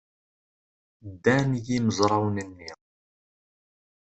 Ddan yimezrawen-nni.